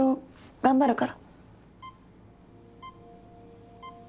頑張るから！